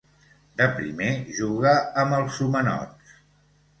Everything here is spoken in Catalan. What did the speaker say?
De primer juga amb els Homenots.